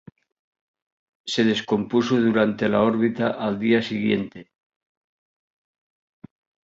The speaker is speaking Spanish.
Se descompuso durante la órbita al día siguiente.